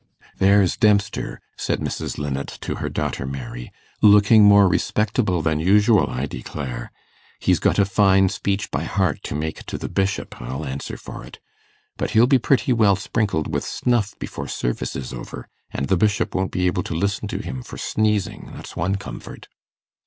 'There's Dempster,' said Mrs. Linnet to her daughter Mary, 'looking more respectable than usual, I declare. He's got a fine speech by heart to make to the Bishop, I'll answer for it. But he'll be pretty well sprinkled with snuff before service is over, and the Bishop won't be able to listen to him for sneezing, that's one comfort.